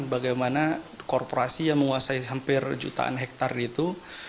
bagaimana korporasi yang menguasai hampir jutaan hektare itu